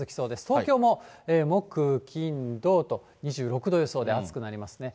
東京も木、金、土と２６度予想で暑くなりますね。